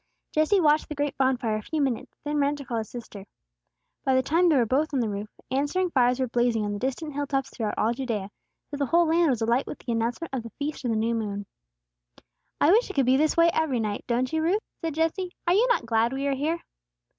Jesse watched the great bonfire a few minutes, then ran to call his sister. By the time they were both on the roof, answering fires were blazing on the distant hilltops throughout all Judea, till the whole land was alight with the announcement of the Feast of the New Moon. "I wish it could be this way every night, don't you, Ruth?" said Jesse. "Are you not glad we are here?"